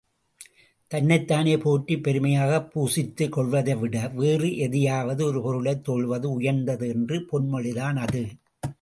தன்னைத்தானே போற்றிப் பெருமையாகப் பூசித்துக் கொள்வதைவிட வேறு எதையாவது ஒரு பொருளைத் தொழுவது உயர்ந்தது என்ற பொன்மொழிதான் அது.